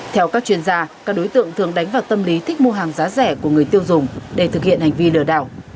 theo các chuyên gia các đối tượng thường đánh vào tâm lý thích mua hàng giá rẻ của người tiêu dùng để thực hiện hành vi lừa đảo